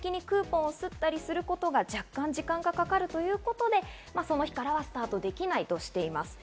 さらに実務的にクーポンを刷ったりすることが若干、時間がかかるということで、その日からがスタートできないとしています。